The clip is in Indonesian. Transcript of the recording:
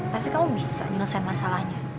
pasti kamu bisa nyelesaikan masalahnya